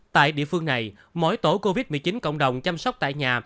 tại địa phương này mỗi tổ covid một mươi chín cộng đồng chăm sóc tại nhà